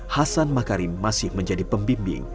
hasan makarim masih menjadi pembimbing